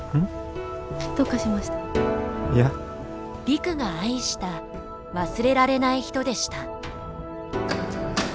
陸が愛した忘れられない人でした。